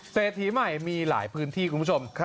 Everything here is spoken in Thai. เศรษฐีใหม่มีหลายพื้นที่คุณผู้ชม